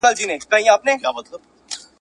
چي په هغو کي « زموږ شهید سوي عسکر» `